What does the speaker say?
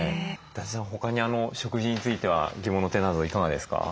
伊達さん他に食事については疑問な点などいかがですか？